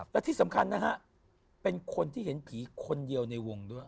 และที่สำคัญนะฮะเป็นคนที่เห็นผีคนเดียวในวงด้วย